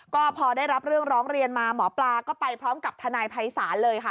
ก็พอได้รับเรื่องร้องเรียนมาหมอปลาก็ไปพร้อมกับทนายภัยศาลเลยค่ะ